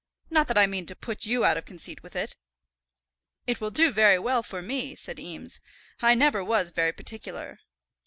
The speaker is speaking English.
Not that I mean to put you out of conceit with it." "It will do very well for me," said Eames. "I never was very particular."